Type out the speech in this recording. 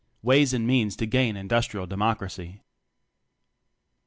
Ways and Means To Gain Industrial Democracy.